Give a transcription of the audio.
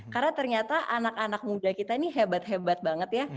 karena ternyata anak anak muda kita ini hebat hebat banget ya